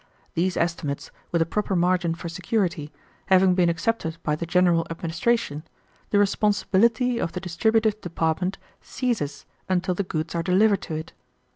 These estimates, with a proper margin for security, having been accepted by the general administration, the responsibility of the distributive department ceases until the goods are delivered to it.